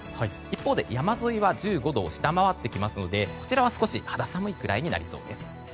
一方で山沿いは１５度を下回ってきますのでこちらは少し肌寒いくらいになりそうです。